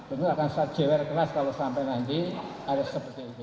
itu akan saya jewer keras kalau sampai nanti harus seperti itu